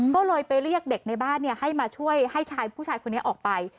ก็เลยไปเรียกเด็กในบ้านให้มาช่วยให้ชายผู้ชายคนนี้ออกไป